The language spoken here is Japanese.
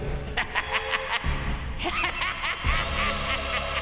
ハハハハ！